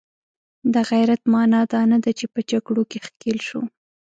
د غیرت معنا دا نه ده چې په جګړو کې ښکیل شو.